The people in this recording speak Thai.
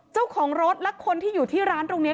เจ้าของรถและคนที่อยู่ที่ร้านตรงนี้